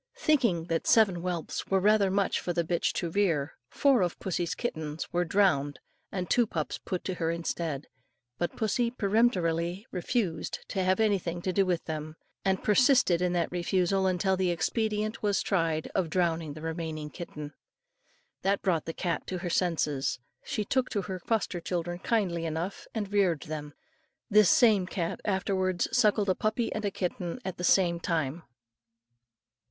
Thinking that seven whelps were rather many for the bitch to rear, four of pussy's kittens were drowned and two pups put to her instead. But pussy peremptorily refused to have anything to say to them, and persisted in that refusal until the expedient was tried of drowning the remaining kitten. That brought the cat to her senses; and she took to her foster children kindly enough and reared them. This same cat afterwards suckled a puppy and kitten at the same time.